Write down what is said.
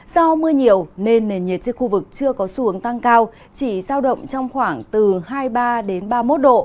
do mưa nhiều nên nền nhiệt trên khu vực chưa có xu hướng tăng cao chỉ sao động trong khoảng từ hai mươi ba ba mươi một độ